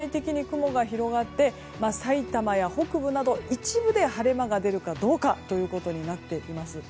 明日、全体的に雲が広がってさいたまや北部など、一部で晴れ間が出るかどうかというところになっています。